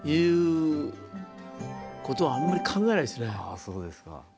そうですか。